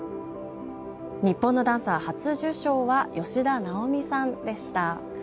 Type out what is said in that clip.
日本のダンサー初受賞は吉田尚美さんでした。